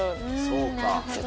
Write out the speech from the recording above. そうかあ。